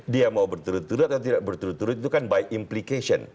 dia mau berturut turut atau tidak berturut turut itu kan by implication